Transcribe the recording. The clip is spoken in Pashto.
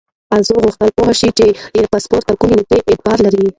ارزو غوښتل پوه شي چې پاسپورت تر کومې نیټې اعتبار لري.